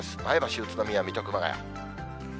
前橋、宇都宮、水戸、熊谷。